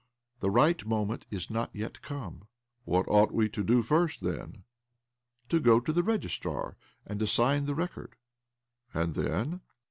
"The right moment is not yet come." "What ought we to do first, then?" "To go to the registrar, and to sign the record." "And then?"